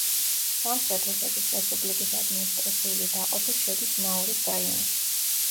სამხრეთ ოსეთის რესპუბლიკის ადმინისტრაციული დაყოფით შედის ზნაურის რაიონში.